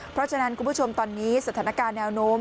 เพราะฉะนั้นคุณผู้ชมตอนนี้สถานการณ์แนวโน้ม